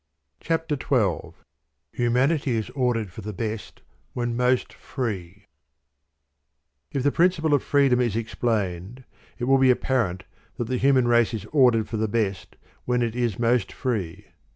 CHAPTER XII ""*^ Humanity is ordered fir the best when mostfi^e. I. If the principle of fireedom is explained, it will be apparent that the human race is ordered for the best when it is most firee.